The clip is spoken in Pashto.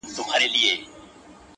o چي دي شراب. له خپل نعمته ناروا بلله.